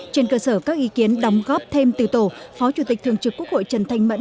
trên cơ sở các ý kiến đóng góp thêm từ tổ phó chủ tịch thường trực quốc hội trần thanh mẫn